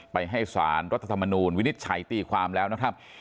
ไปให้สารรัฐธรรมนูลวินิจฉัยตีความแล้วนะครับ